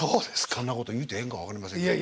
そんなこと言うてええんか分かりませんけど。